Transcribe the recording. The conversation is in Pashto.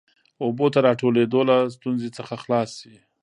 اوبو د راټولېدو له ستونزې څخه خلاص سي.